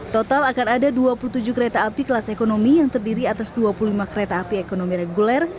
total akan ada dua puluh tujuh kereta api kelas ekonomi yang terdiri atas dua puluh lima kereta api ekonomi reguler